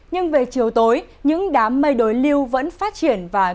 nhưng về chiều tối những đám mây đối lưu vẫn phát triển và